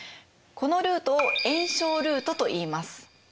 このルートを援ルートといいます。